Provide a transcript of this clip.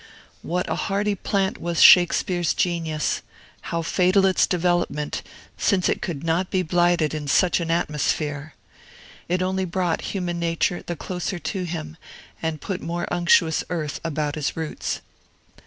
What a hardy plant was Shakespeare's genius, how fatal its development, since it could not be blighted in such an atmosphere! It only brought human nature the closer to him, and put more unctuous earth about his roots.